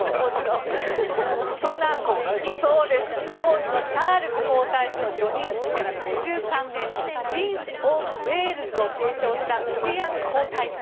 そんな当時のチャールズ皇太子の叙任式から５３年プリンス・オブ・ウェールズを継承したウィリアム皇太子。